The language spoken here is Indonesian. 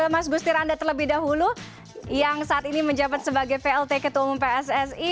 mas gusti randa terlebih dahulu yang saat ini menjabat sebagai plt ketua umum pssi